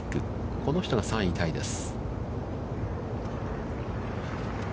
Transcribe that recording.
この人が３位タイです。